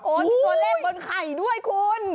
มีตัวเลขบนไข่ด้วยคุณ